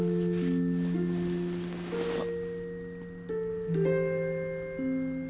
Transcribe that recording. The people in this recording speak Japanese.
あっ。